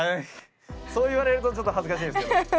そう言われるとちょっと恥ずかしいんですよ。